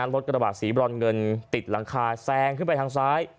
รถกระบะสีบรอนเงินติดหลังคาแซงขึ้นไปทางซ้าย